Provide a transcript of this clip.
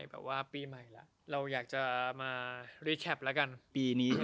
ก็ไกลเหมือนกัน